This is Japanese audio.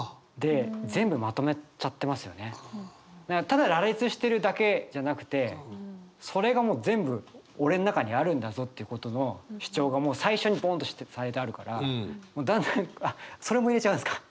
ただ羅列してるだけじゃなくてそれがもう全部俺の中にあるんだぞってことの主張が最初にボンとされてあるからだんだんあっそれも入れちゃうんすか